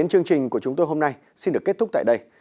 chương trình của chúng tôi hôm nay xin được kết thúc tại đây